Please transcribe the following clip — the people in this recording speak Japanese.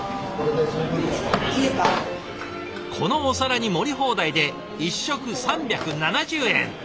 このお皿に盛り放題で１食３７０円。